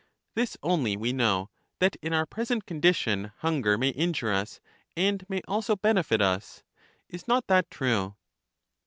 This only we know, that in our present condition hun ger may injure us, and may also benefit us. Is not that true?